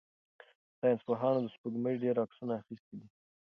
ساینس پوهانو د سپوږمۍ ډېر عکسونه اخیستي دي.